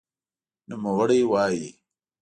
نوموړی وایي،